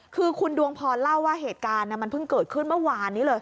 คือคุณดวงพรุแล้วว่าเหตุการณ์มันเกิดขึ้นเมื่อวาน